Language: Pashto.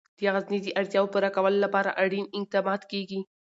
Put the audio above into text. د غزني د اړتیاوو پوره کولو لپاره اړین اقدامات ترسره کېږي.